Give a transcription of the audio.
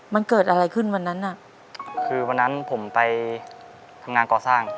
มันเกิดอะไรขึ้นวันนั้นน่ะคือวันนั้นผมไปทำงานก่อสร้าง